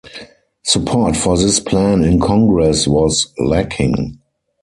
Support for this plan in Congress was lacking.